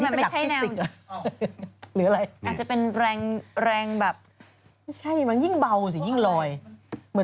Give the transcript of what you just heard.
แกก็อันที่มันไม่ใช่แนวหรืออะไรอันที่มันไม่ใช่แนว